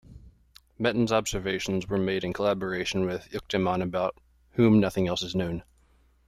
Meton's observations were made in collaboration with Euctemon about whom nothing else is known.